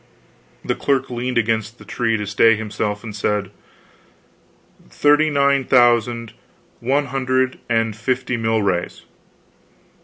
The clerk leaned against the tree to stay himself, and said: "Thirty nine thousand one hundred and fifty milrays!"